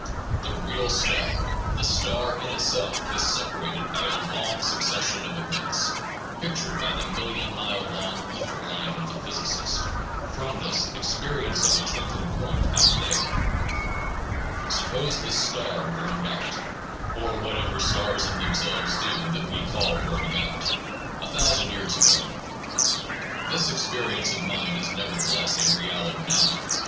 The real star, the star in itself, is separated by a long succession of events (pictured by the million mile long ether line of the physicist) from this experience of a twinkling point out there. Suppose the star burned out (or PSYCHOLOGY AND SCIENTIFIC METHODS 371 whatever stars in themselves do that we call burning out) a thousand years ago ; this experience of mine is nevertheless a reality now.